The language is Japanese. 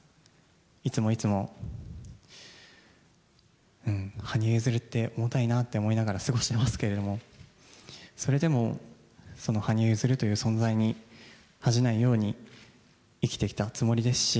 いつもいつも、羽生結弦って重たいなって思いながら過ごしてますけれども、それでも、その羽生結弦という存在に恥じないように生きてきたつもりですし。